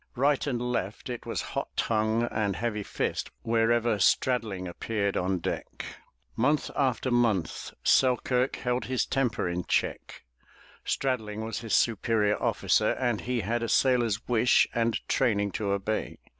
Right and left it was hot tongue and heavy fist wherever Straddling appeared on deck. Month after month, Selkirk held his temper in check — Straddling was his superior officer and he had a sailor's wish and training to obey.